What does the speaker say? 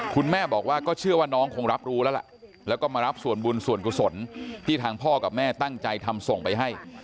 คุณแม่บอกว่าก็เชื่อว่าน้องคงรับรู้แล้วล่ะแล้วก็มารับส่วนบุญส่วนกุศลที่ทางพ่อกับแม่ตั้งใจทำส่งไปให้